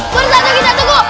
bersatu kita tunggu